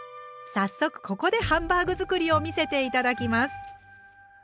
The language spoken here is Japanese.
早速ここでハンバーグ作りを見せて頂きます。